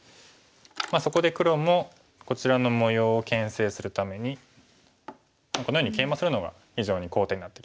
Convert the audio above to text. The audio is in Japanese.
そこで黒もこちらの模様をけん制するためにこのようにケイマするのが非常に好点になってきます。